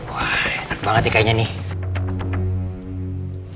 wah enak banget nih kayaknya nih